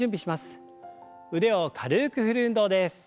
腕を軽く振る運動です。